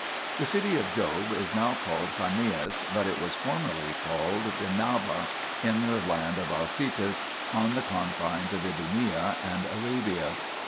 The city of Job is now called Carneas, but it was formerly called Dennaba, 1 in the land of Ausitis, on the confines of Idumea and Arabia.